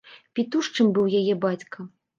Пітушчым быў яе бацька.